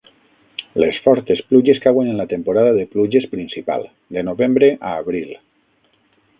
Les fortes pluges cauen en la temporada de pluges principal, de novembre a abril.